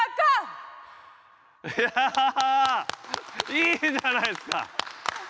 いいじゃないですか。